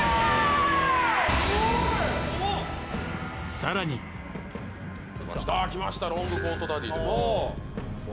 さらにあ来ましたロングコートダディですね